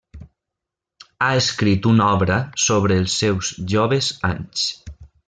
Ha escrit una obra sobre els seus joves anys.